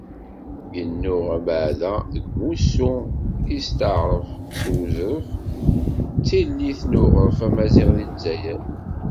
Yennuɣ abeɛda deg umussu i usteɛref s uzref d tillit n uɣref amaziɣ di Lezzayer.